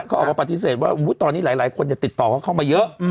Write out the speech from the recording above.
เขาออกมาปฏิเสธว่าตอนนี้หลายคนติดต่อเขาเข้ามาเยอะ